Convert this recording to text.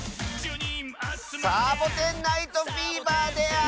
「サボテン・ナイト・フィーバー」である！